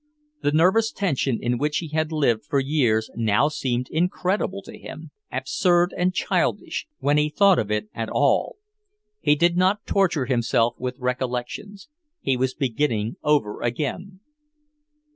The nervous tension in which he had lived for years now seemed incredible to him... absurd and childish, when he thought of it at all. He did not torture himself with recollections. He was beginning over again.